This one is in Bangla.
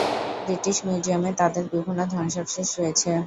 ব্রিটিশ মিউজিয়ামে তাদের বিভিন্ন ধ্বংসাবশেষ রয়েছে।